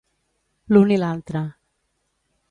L'un i l'altre.